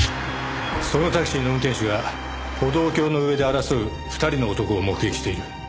そのタクシーの運転手が歩道橋の上で争う２人の男を目撃している。